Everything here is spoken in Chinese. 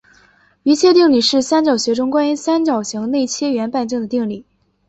余切定理是三角学中关于三角形内切圆半径的定理。